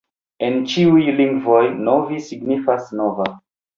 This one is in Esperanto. En ĉiuj lingvoj Novi signifas: nova.